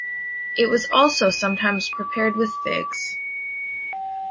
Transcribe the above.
It is also sometimes prepared with figs.